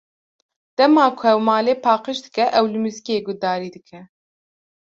Dema ku ew malê paqij dike, ew li muzîkê guhdarî dike.